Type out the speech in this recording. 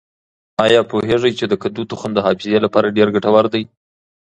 آیا پوهېږئ چې د کدو تخم د حافظې لپاره ډېر ګټور دی؟